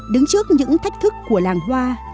đứng trước những thách thức của làng hoa